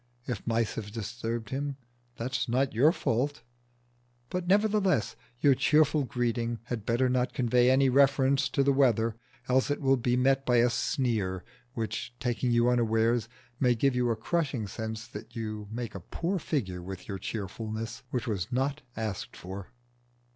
If mice have disturbed him, that is not your fault; but, nevertheless, your cheerful greeting had better not convey any reference to the weather, else it will be met by a sneer which, taking you unawares, may give you a crushing sense that you make a poor figure with your cheerfulness, which was not asked for.